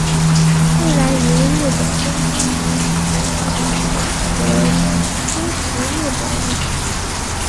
未来于日本东京继续学习演戏和修习日本语。